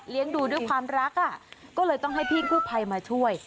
ดูด้วยความรักก็เลยต้องให้พี่กู้ภัยมาช่วย